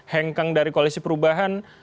hengkang dari koalisi perubahan